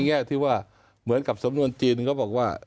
แง่ที่ว่าเหมือนกับสำนวนจีนเขาบอกว่า